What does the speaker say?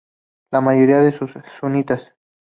La mayoría son sunitas.